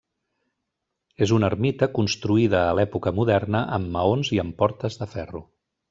És una ermita construïda a l’època moderna amb maons i amb portes de ferro.